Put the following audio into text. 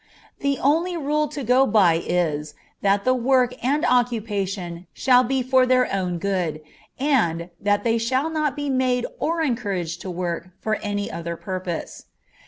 The only rule to go by is, that the work and occupation shall be for their own good, and, that they shall not be made or encouraged to work for any other purpose.